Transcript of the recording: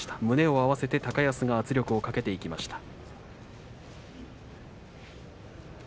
胸を合わせて高安が圧力をかけていきました。